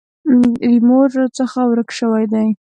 ریموټ راڅخه ورک شوی دی .